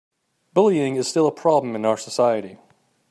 Bullying is still a problem in our society.